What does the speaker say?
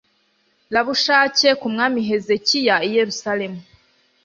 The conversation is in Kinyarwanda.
rabushake ku mwami hezekiya i yerusalemu